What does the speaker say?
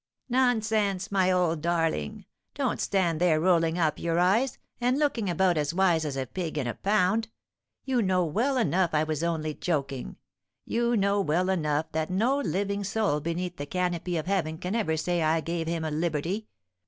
"Nonsense, my old darling. Don't stand there rolling up your eyes, and looking about as wise as a pig in a pound. You know well enough I was only joking; you know well enough that no living soul beneath the canopy of heaven can ever say I gave him a liberty.